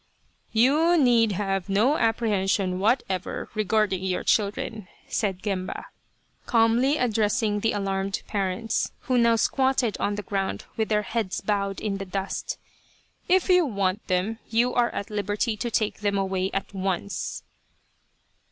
" You need have no apprehension whatever re garding your children," said Gemba, calmly addressing the alarmed parents, who now squatted on the ground with their heads bowed in the dust, " if you want them, you are at liberty to take them away at once